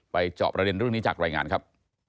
จอบประเด็นเรื่องนี้จากรายงานครับ